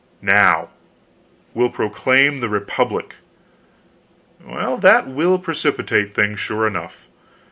"Now! We'll proclaim the Republic." "Well, that will precipitate things, sure enough!"